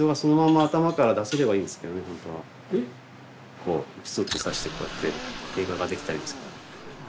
こうぷすっと刺してこうやって映画ができたらいいんですけど。